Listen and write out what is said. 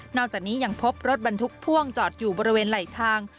อกจากนี้ยังพบรถบรรทุกพ่วงจอดอยู่บริเวณไหลทาง